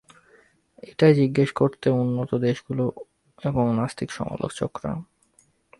এটাই জিজ্ঞেস করছে উন্নত দেশগুলো এবং নাস্তিক সমালোচকরা।